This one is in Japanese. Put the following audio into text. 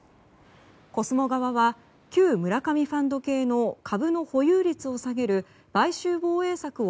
コスモ側は、旧村上ファンド系の株の保有率を下げる買収防衛策を